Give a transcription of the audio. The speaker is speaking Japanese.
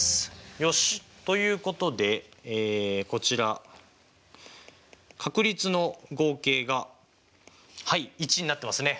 よし！ということでこちら確率の合計がはい１になってますね！